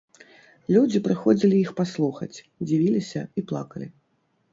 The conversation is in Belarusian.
Людзі прыходзілі іх паслухаць, дзівіліся і плакалі.